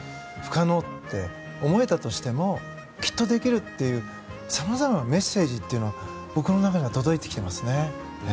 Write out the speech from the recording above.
不可能って思えたとしてもきっとできるというさまざまなメッセージというのが僕の中に届いてきていますね。